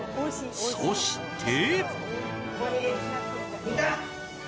そして。